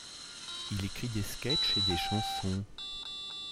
Il écrit des sketchs et des chansons.